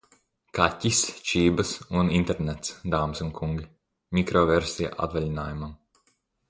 Kaķis, čības un internets, dāmas un kungi. Mikroversija atvaļinājumam.